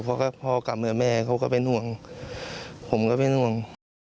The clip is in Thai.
เพราะพอกลับมาแม่เขาก็เป็นห่วงผมก็เป็นห่วง